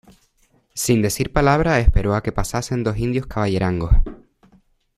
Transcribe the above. sin decir palabra esperó a que pasasen dos indios caballerangos